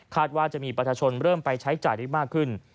ว่าจะมีประชาชนเริ่มไปใช้จ่ายได้มากขึ้น